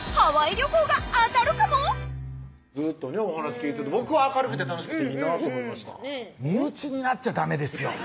ずっとねお話聞いてると僕は明るくて楽しくていいなぁと思いました身内になっちゃダメですよ